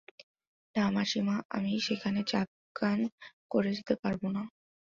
না মাসিমা, আমি সেখানে চাপকান পরে যেতে পারব না।